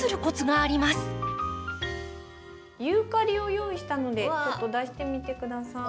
ユーカリを用意したのでちょっと出してみて下さい。